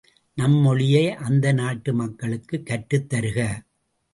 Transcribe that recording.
நம் மொழியை அந்த நாட்டு மக்களுக்குக் கற்றுத் தருக!